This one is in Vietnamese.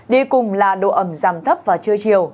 đi cùng là độ ẩm giảm thấp vào trưa chiều